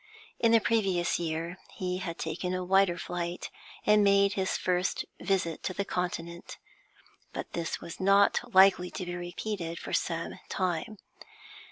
In the previous year he had taken a wider flight, and made his first visit to the Continent, but this was not likely to be repeated for some time.